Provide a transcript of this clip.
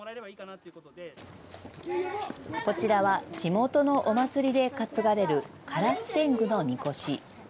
こちらは地元のお祭りで担がれる烏天狗のみこし。